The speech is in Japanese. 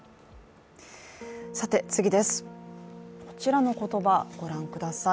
こちらの言葉、ご覧ください。